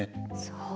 そう。